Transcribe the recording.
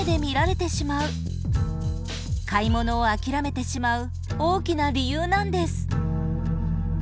買い物を諦めてしまう大きな理由なんです。